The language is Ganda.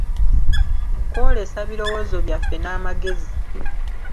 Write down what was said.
Kwolesa birowoozo byaffe n'amagezi.